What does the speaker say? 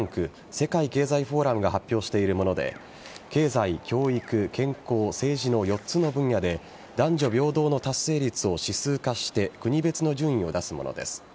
世界経済フォーラムが発表しているもので経済、教育、健康、政治の４つの分野で男女平等の達成率を指数化して国別の順位を出すものです。